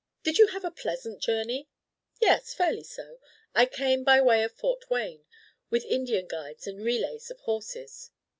"Did you have a pleasant journey?" "Yes, fairly so. I came by way of Fort Wayne, with Indian guides and relays of horses."